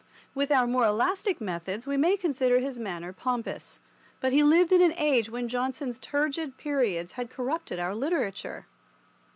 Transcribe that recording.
With our more elastic methods we may consider his manner pompous, but he lived in an age when Johnson's turgid periods had corrupted our literature.